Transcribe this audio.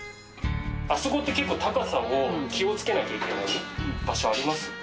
あそこって結構高さを気をつけなきゃいけない場所あります？